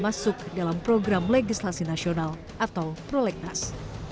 masuk dalam program legislasi nasional atau prolegnas